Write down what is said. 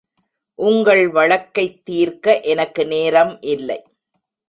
உங்கள் வழக்கைத் தீர்க்க எனக்கு நேரம் இல்லை